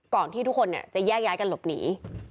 ที่ทุกคนจะแยกย้ายกันหลบหนี